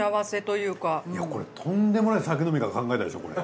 いやこれとんでもない酒飲みが考えたでしょうこれ。